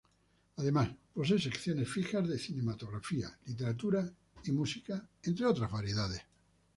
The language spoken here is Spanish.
Además posee secciones fijas de cinematografía, literatura y música, entre otras variedades.